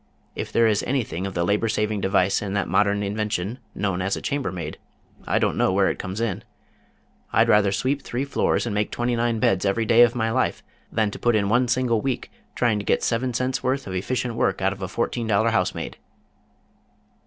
If there is anything of the labor saving device in that modern invention known as a chambermaid, I don't know where it comes in. I'd rather sweep three floors, and make twenty nine beds, every day of my life than put in one single week trying to get seven cents worth of efficient work out of a fourteen dollar housemaid."